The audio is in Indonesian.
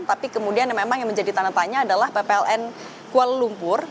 tapi kemudian memang yang menjadi tanda tanya adalah ppln kuala lumpur